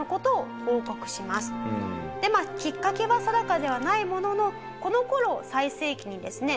きっかけは定かではないもののこの頃を最盛期にですね